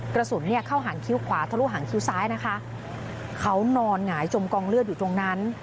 กระสุนเนี่ยเข้าหางคิ้วขวาทะลุหางคิ้วซ้ายนะคะเขานอนหงายจมกองเลือดอยู่ตรงนั้น